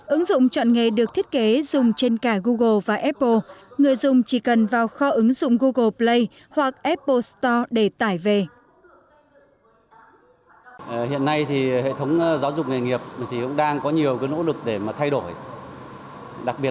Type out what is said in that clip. ứng dụng chọn nghề được thiết kế dùng trên cả google và apple người dùng chỉ cần vào kho ứng dụng google play hoặc apple store để tải về